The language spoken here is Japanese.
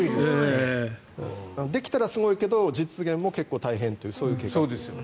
できたらすごいけど実現も結構大変というそういう計画です。